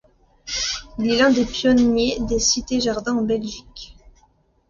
Il est l'un des pionniers des cités-jardins en Belgique.